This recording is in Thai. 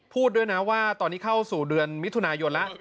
พูดด้วยนะว่าตอนนี้เข้าสู่เดือนมิถุนายนแล้ว